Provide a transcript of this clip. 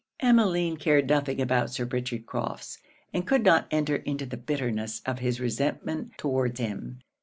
Emmeline cared nothing about Sir Richard Crofts, and could not enter into the bitterness of his resentment towards him.